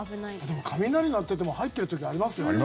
でも、雷鳴ってても入ってる時ありますよね。